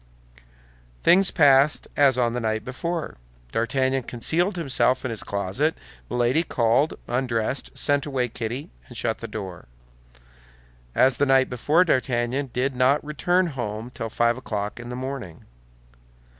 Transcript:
Things passed as on the night before. D'Artagnan concealed himself in his closet; Milady called, undressed, sent away Kitty, and shut the door. As the night before, D'Artagnan did not return home till five o'clock in the morning.